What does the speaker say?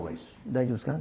大丈夫ですね。